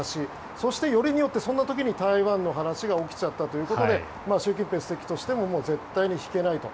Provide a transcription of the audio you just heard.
そして、よりによってそんな時に台湾の話が起きちゃったので習近平主席としても絶対に引けないと。